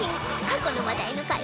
過去の話題の回は